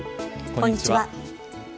こんにちは。